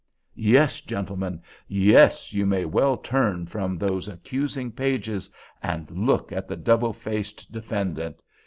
Yes, gentlemen!—yes, you may well turn from those accusing pages and look at the double faced defendant.